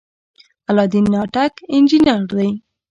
علاالدین ناټک انجنیر دی.